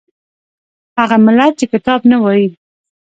هغه ملت چې کتاب نه وايي